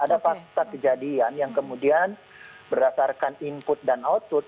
tapi setelah kejadian yang kemudian berdasarkan input dan output